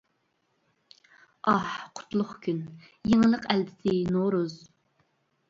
ئاھ، قۇتلۇق كۈن، يېڭىلىق ئەلچىسى نورۇز!